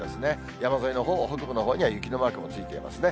山沿いのほう、北部のほうには雪のマークもついていますね。